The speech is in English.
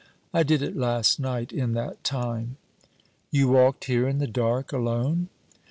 I did it last night in that time.' 'You walked here in the dark alone?'